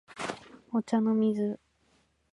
お茶の水